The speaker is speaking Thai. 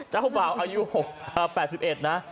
เจ้าบ่าว๘๑นะ